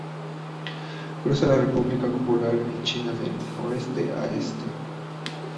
Cruza la República Popular China de oeste a este.